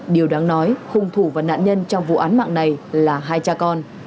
điều đáng nói hung thủ và nạn nhân trong vụ án mạng này là hai cha con